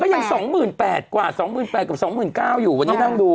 ยัง๒๘๐๐กว่า๒๘๐๐กับ๒๙๐๐อยู่วันนี้นั่งดู